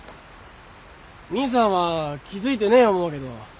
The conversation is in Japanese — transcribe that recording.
兄さんは気付いてねえ思うけど。